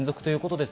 です。